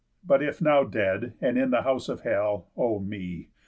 But, if now dead, and in the house of hell, O me!